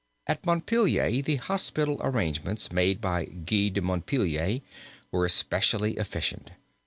At Montpelier the hospital arrangements made by Guy de Montpelier were especially efficient.